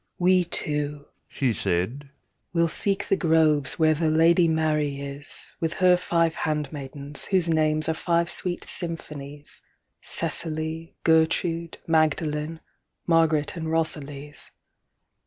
"We two," she said, "will seek the grovesWhere the lady Mary is, With her five handmaidens, whose namesAre five sweet symphonies, Cecily, Gertrude, Magdalen, Margaret and Rosalys.